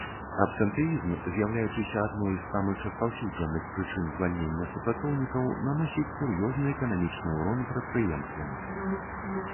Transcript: Абсентэізм, з'яўляючыся адной з самых распаўсюджаных прычын звальнення супрацоўнікаў, наносіць сур'ёзны эканамічны ўрон прадпрыемствам.